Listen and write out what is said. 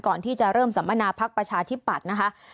ก่อนที่จะเริ่มสัมมนาพักประชาธิปัตย์นะคะ